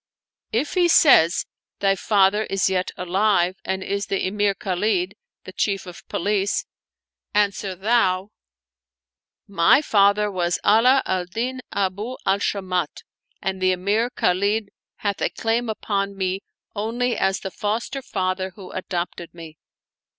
If he says: Thy father is yet alive and is the Emir Khalid, the Chief of the Police; answer thou: My father was Ala al Din Abu al Shamat, and the Emir Khalid hath a claim Upon me only as the foster father who adopted me.